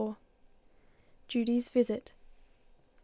JUDY'S VISIT.